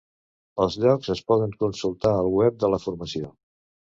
Els llocs es poden consultar al web de la formació.